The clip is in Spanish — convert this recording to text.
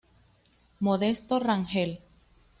Modesto Rangel.